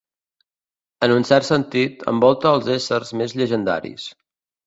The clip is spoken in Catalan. En un cert sentit, envolta els éssers més llegendaris.